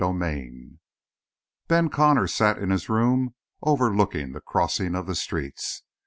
CHAPTER TWO Ben Connor sat in his room overlooking the crossing of the streets.